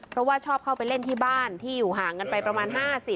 เพราะว่าชอบเข้าไปเล่นที่บ้านที่อยู่ห่างกันไปประมาณ๕๐